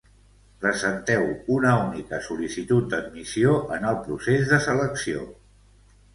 Presenteu una única sol·licitud d'admissió en el procés de selecció.